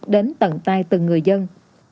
đến tận tai từng người dân